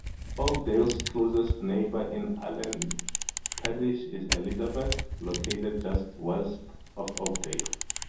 Oakdale's closest neighbor in Allen Parish is Elizabeth, located just west of Oakdale.